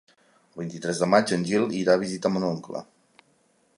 El vint-i-tres de maig en Gil irà a visitar mon oncle.